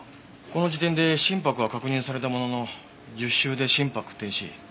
この時点で心拍は確認されたものの１０週で心拍停止。